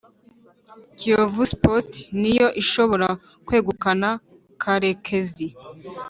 Kiyovu Sports ni yo ishobora kwegukana Karekezi